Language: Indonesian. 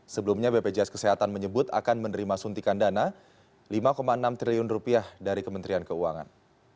sebelumnya bpjs kesehatan menyebut akan menerima suntikan dana lima enam triliun dari kementerian keuangan